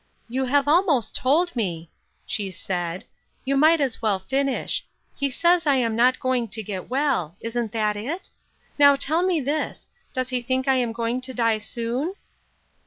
" You have almost told me," she said, " you might as well finish ; he says I am not going to get well. Isn't that it ? Now tell me this ; does he think I am going to die soon